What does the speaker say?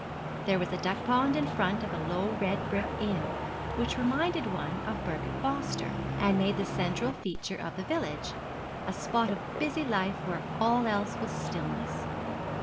There was a duck pond in front of a low red brick inn which reminded one of Birkett Foster, and made the central feature of the village; a spot of busy life where all else was stillness.